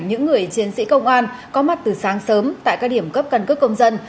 những người chiến sĩ công an có mặt từ sáng sớm tại các điểm cấp cần cước công dân